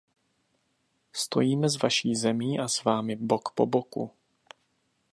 Stojíme s vaší zemí a s Vámi bok po boku.